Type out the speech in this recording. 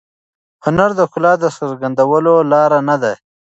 هنر د ښکلا د څرګندولو لاره نه ده.